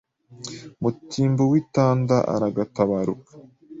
Mutimbo w’i Tanda uragatabaruka